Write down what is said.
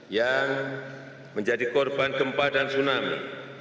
yang menjadi korban gempa dan tsunami